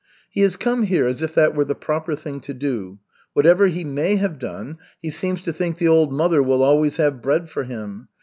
"He has come here as if that were the proper thing to do. Whatever he may have done, he seems to think the old mother will always have bread for him.